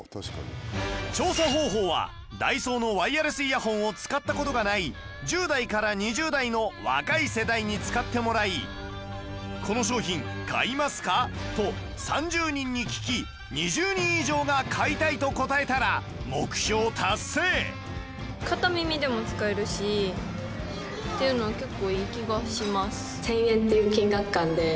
調査方法はダイソーのワイヤレスイヤホンを使った事がない１０代から２０代の若い世代に使ってもらい「この商品買いますか？」と３０人に聞き２０人以上が「買いたい」と答えたら目標達成！っていうのは結構いい気がします。